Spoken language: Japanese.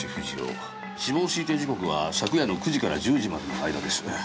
死亡推定時刻は昨夜の９時から１０時までの間です。